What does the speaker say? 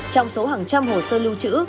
trong số hàng trăm hồ sơ lưu chữ